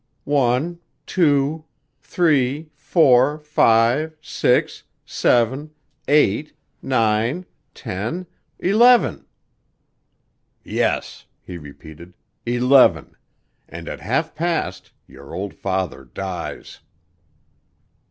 "One, two, three, four, five, six, seven, eight, nine, ten, eleven!" "Yes," he repeated, "eleven! And at half past your old father dies."